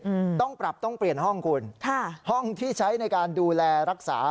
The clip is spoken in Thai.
อืมต้องปรับต้องเปลี่ยนห้องคุณค่ะห้องที่ใช้ในการดูแลรักษา